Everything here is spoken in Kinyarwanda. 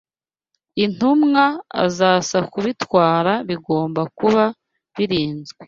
intumwa, azaza kubitwara, bigomba kuba birinzwe